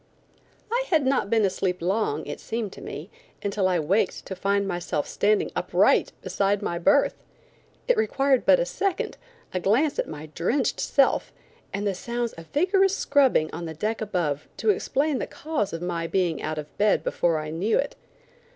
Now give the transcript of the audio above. I had not been asleep long, it seemed to me, until I waked to find myself standing upright beside my berth. It required but a second, a glance at my drenched self, and the sounds of vigorous scrubbing on the deck above to explain the cause of my being out of bed before I knew it.